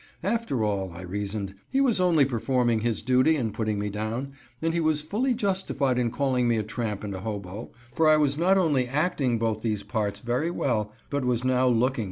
After all, I reasoned, he was only performing his duty in putting me down, and he was fully justified in calling me a tramp and a hobo, for I was not only acting both these parts very well, but was now looking the part.